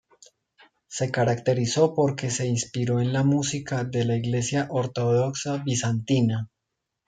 Se caracterizó porque se inspiró en la música de la iglesia ortodoxa bizantina.